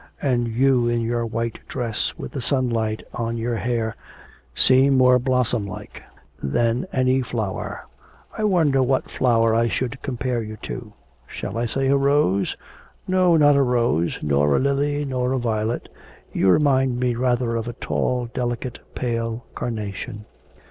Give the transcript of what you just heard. And you, in your white dress, with the sunlight on your hair, seem more blossom like than any flower. I wonder what flower I should compare you to? Shall I say a rose? No, not a rose, nor a lily, nor a violet; you remind me rather of a tall, delicate, pale carnation....'